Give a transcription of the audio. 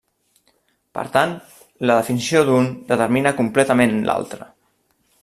Per tant, la definició d'un determina completament l'altre.